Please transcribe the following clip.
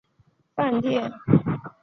武藏沟之口站南武线的铁路车站。